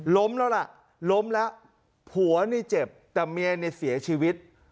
ล้มแล้วล่ะล้มแล้วผัวนี่เจ็บแต่เมียเนี่ยเสียชีวิต